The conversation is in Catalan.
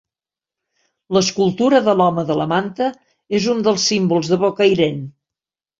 L'escultura de l'Home de la Manta és un dels símbols de Bocairent.